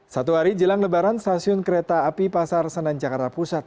satu hari jelang lebaran stasiun kereta api pasar senen jakarta pusat